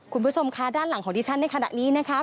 คุณผู้ชมค่ะด้านหลังของดิฉันในขณะนี้นะคะ